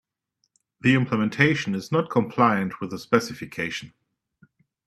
The implementation is not compliant with the specification.